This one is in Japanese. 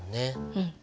うん。